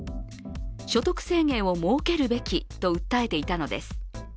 所得制限を設けるべきと訴えていたのです。